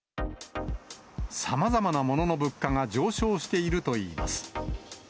さまざまなものの物価が上昇しているといいます。